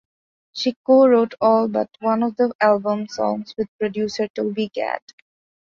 She co-wrote all but one of the album's songs with producer Toby Gad.